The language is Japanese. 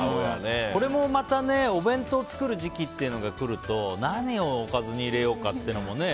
これもまた、お弁当作る時期っていうのが来ると何をおかずに入れようかっていうのもね。